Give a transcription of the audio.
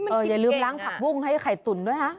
อย่าลืมล้างผักบุ้งให้ไข่ตุ๋นด้วยนะ